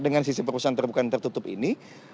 dengan sisi perusahaan terbuka dan tertutup ini